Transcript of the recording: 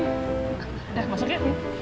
udah masuk ya